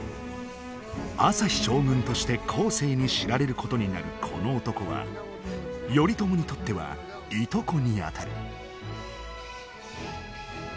旭将軍として後世に知られることになるこの男は頼朝にとってはいとこにあたる。